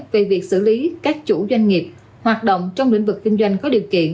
về việc xử lý các chủ doanh nghiệp hoạt động trong lĩnh vực kinh doanh có điều kiện